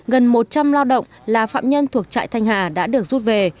gần một trăm linh lao động là phạm nhân thuộc trại thanh hà đã được rút về